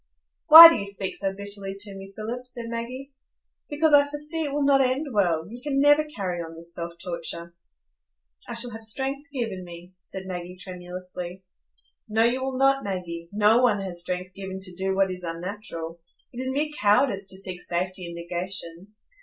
"Why do you speak so bitterly to me, Philip?" said Maggie. "Because I foresee it will not end well; you can never carry on this self torture." "I shall have strength given me," said Maggie, tremulously. "No, you will not, Maggie; no one has strength given to do what is unnatural. It is mere cowardice to seek safety in negations.